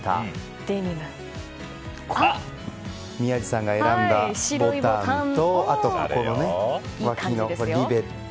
宮司さんが選んだボタンとわきのリベット。